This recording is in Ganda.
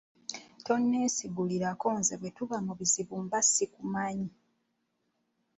Tonneesigulirako nze bwe tuba mu bizibu mba sikumanyi.